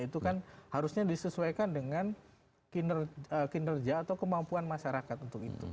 itu kan harusnya disesuaikan dengan kinerja atau kemampuan masyarakat untuk itu